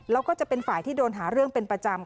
แล้วก็จะเป็นฝ่ายที่โดนหาเรื่องเป็นประจำ